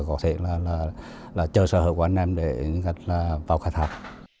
có thể là chờ sở hợp của anh em để vào khai thạp